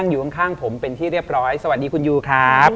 อยู่ข้างผมเป็นที่เรียบร้อยสวัสดีคุณยูครับ